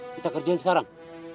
kita kerjain sekarang